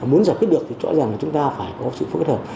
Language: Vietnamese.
muốn giải quyết được thì rõ ràng là chúng ta phải có sự phối hợp